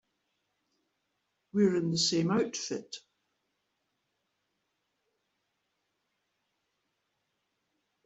We were in the same outfit.